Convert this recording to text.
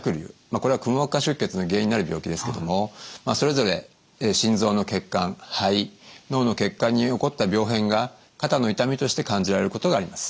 これはくも膜下出血の原因になる病気ですけどもそれぞれ心臓の血管肺脳の血管に起こった病変が肩の痛みとして感じられることがあります。